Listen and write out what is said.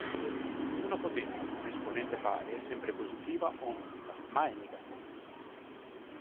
Una potenza con esponente pari è sempre positiva o nulla, mai negativa.